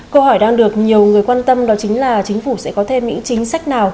câu hỏi đang được nhiều người quan tâm đó chính là chính phủ sẽ có thêm những chính sách nào